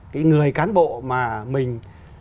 cái người cán bộ mà mình